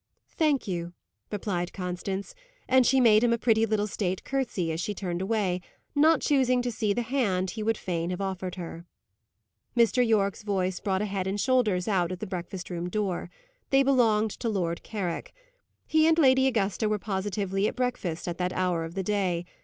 "Thank you," replied Constance. And she made him a pretty little state curtsey as she turned away, not choosing to see the hand he would fain have offered her. Mr. Yorke's voice brought a head and shoulders out at the breakfast room door. They belonged to Lord Carrick. He and Lady Augusta were positively at breakfast at that hour of the day.